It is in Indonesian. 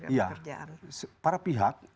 iya para pihak